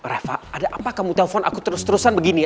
reva ada apa kamu telepon aku terus terusan begini